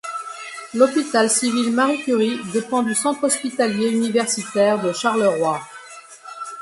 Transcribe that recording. L'hôpital civil Marie Curie dépend du centre hospitalier universitaire de Charleroi.